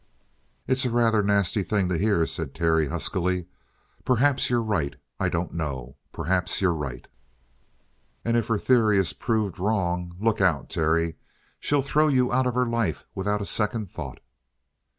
"It's a rather nasty thing to hear," said Terence huskily. "Perhaps you're right. I don't know. Perhaps you're right." "And if her theory is proved wrong look out, Terry! She'll throw you out of her life without a second thought."